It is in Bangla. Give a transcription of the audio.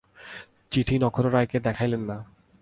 চিঠি নক্ষত্ররায়কে দেখাইলেন না।